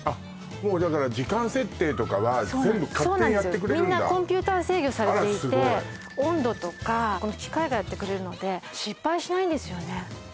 もうだから時間設定とかは全部勝手にやってくれるんだそうなんですみんなコンピューター制御されていてあらすごい温度とかこの機械がやってくれるので失敗しないんですよね